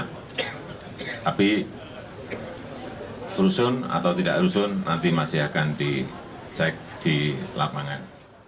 tapi rusun atau tidak rusun nanti masih akan dicek di lapangan